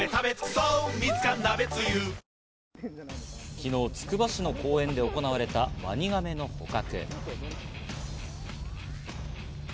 昨日、つくば市の公園で行われたワニガメの捕獲。